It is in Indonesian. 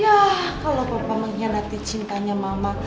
ya kalau papa mengkhianati cintanya mama